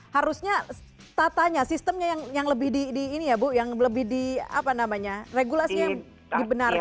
harusnya tatanya sistemnya yang lebih di ini ya bu yang lebih di apa namanya regulasinya yang dibenarkan